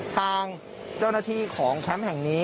ทางเจ้าหน้าที่ของแคมป์แห่งนี้